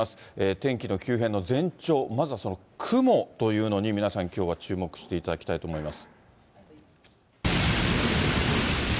天気の急変の前兆、まずはその雲というのに、皆さんきょうは注目していただきたいと思います。